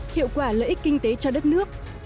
hiệu quả lợi ích kinh tế cho đất nước